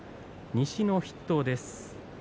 西の筆頭です。